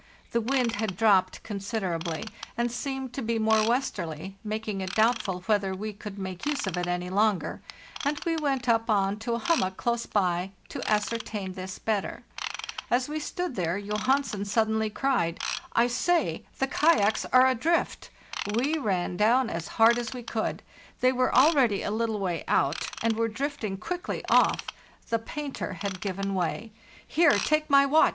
The wind had dropped considerably, and e it doubtful whether seemed to be more westerly, makin we could make use of it any longer, and we went up on to a hummock close by to ascertain this better. As we stood there, Johansen suddenly cried, "I say! the kayaks are adrift!' We ran down as hard as we could. They were already a little way out, and were drifting quickly off; the painter had given way. " Here, take my watch!"